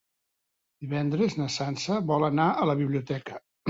Divendres na Sança vol anar a la biblioteca.